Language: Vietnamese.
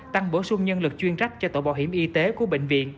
tăng bổ sung nhân lực chuyên trách cho tổ bảo hiểm y tế của bệnh viện